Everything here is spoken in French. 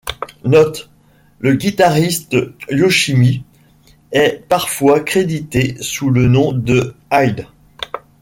Note: Le guitariste Yoshimi est parfois crédité sous le nom de Hide.